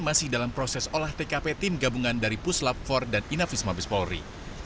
masih dalam proses olah tkp tim gabungan dari puslap empat dan inafis mabes polri